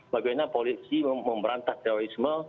bagaimana polisi memerantah terorisme